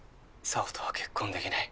沙帆とは結婚できない。